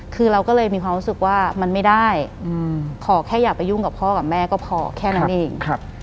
คือเราก็เลยมีความรู้สึกว่ามันไม่ได้ขอแค่อย่าไปยุ่งกับพ่อกับแม่ก็พอแค่นั้นเอง